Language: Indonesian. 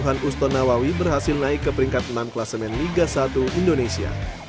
johan uston nawawi berhasil naik ke peringkat enam klasemen liga satu indonesia